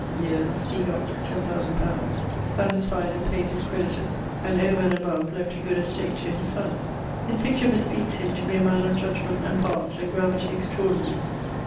yeares he gott 10000 li.; satisfied and payd his creditors; and over and above left a good estate to his son. His picture bespeakes him to be a man of judgement, and parts, and gravity extraordinary.